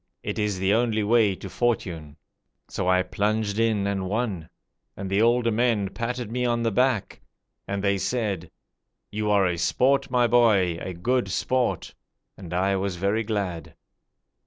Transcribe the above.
It is the only way to fortune.' So I plunged in and won; and the older men patted me on the back, And they said, 'You are a sport, my boy, a good sport!' And I was very glad.